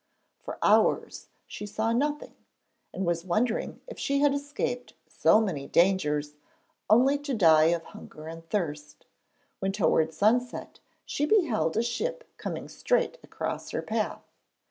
For hours she saw nothing, and was wondering if she had escaped so many dangers only to die of hunger and thirst, when towards sunset she beheld a ship coming straight across her path.